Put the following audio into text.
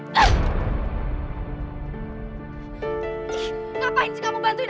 kamu gak mencintai aku yuk